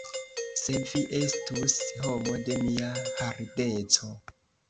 Se vi estus homo de mia hardeco!